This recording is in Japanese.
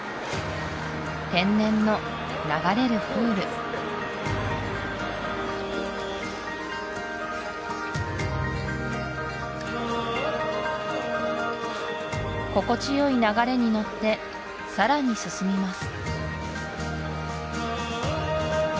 天然の流れるプール心地よい流れにのってさらに進みます